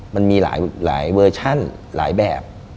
มันมีหลายเวอร์ชั่นหลายแบบ